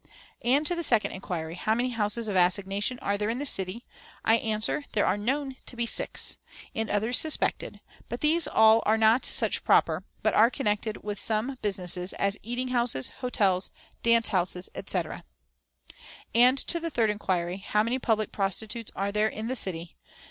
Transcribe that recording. "And to the second inquiry, 'How many houses of assignation are there in the city?' I answer, There are known to be six, and others suspected; but these all are not such proper, but are connected with some business, as eating houses, hotels, dance houses, etc. "And to the third inquiry, 'How many public prostitutes are there in the city?'